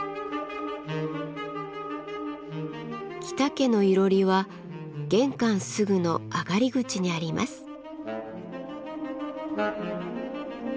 喜多家のいろりは玄関すぐの上がり口にあります。